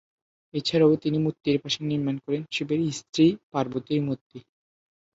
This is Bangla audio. এছাড়াও, তিনি মূর্তির পাশে নির্মাণ করেন শিবের স্ত্রী পার্বতীর মূর্তি।